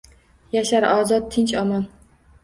Yashar ozod, tinch, omon